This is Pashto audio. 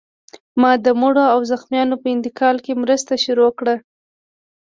ما د مړیو او زخمیانو په انتقال کې مرسته شروع کړه